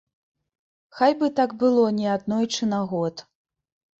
Хай бы так было не аднойчы на год.